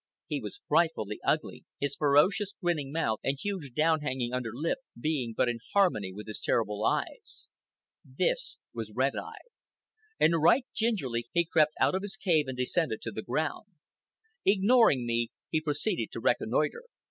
He was frightfully ugly, his ferocious grinning mouth and huge down hanging under lip being but in harmony with his terrible eyes. This was Red Eye. And right gingerly he crept out of his cave and descended to the ground. Ignoring me, he proceeded to reconnoitre.